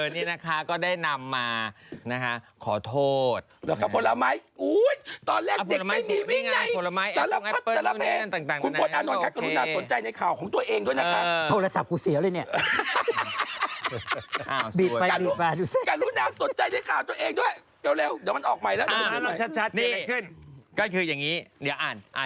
โยคะเขาจะเป็นเนิร์ฟเป็นเนิร์ฟใช่ปะ